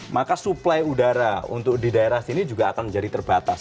maka suplai udara untuk di daerah sini juga akan menjadi terbatas